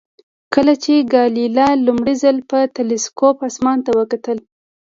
کله چې ګالیله لومړی ځل په تلسکوپ اسمان ته وکتل.